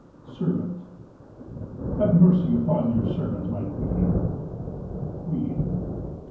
1 SERVANT. Have mercy upon your servant, my queen! QUEEN.